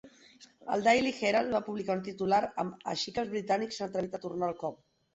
El "Daily Herald" va publicar un titular amb "Així que els britànics s'han atrevit a tornar el cop".